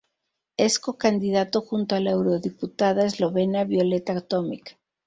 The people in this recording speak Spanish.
Es co-candidato junto a la eurodiputada eslovena Violeta Tomic.